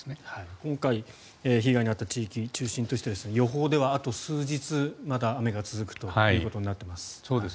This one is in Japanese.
今回、被害に遭った地域を中心として予報ではあと数日、まだ雨が続くということになっています。